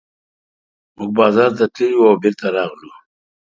موږ بازار ته تللي وو او بېرته راغلو.